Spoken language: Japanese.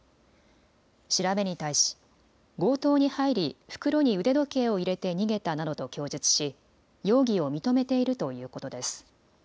調べに対し、強盗に入り袋に腕時計を入れて逃げたなどと供述し、容疑を認めているということです。